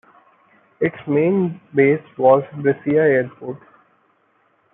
Its main base was Brescia Airport.